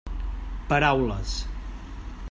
Paraules.